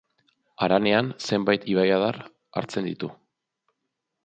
Haranean zenbait ibaiadar hartzen ditu.